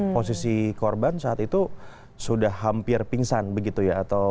posisi korban saat itu sudah hampir pingsan begitu ya